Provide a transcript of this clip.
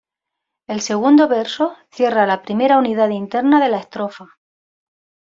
El segundo verso cierra la primera unidad interna de la estrofa.